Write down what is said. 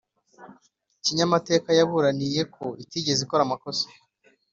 kinyamateka yaburaniye ko itigeze ikora amakosa,